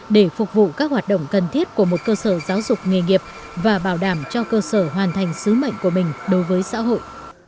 để phục vụ các hoạt động cần thiết của một cơ sở giáo dục nghề nghiệp và bảo đảm cho cơ sở hoàn thành sứ mệnh của mình đối với xã hội